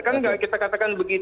kan kita katakan begitu